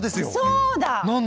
そうだ！何？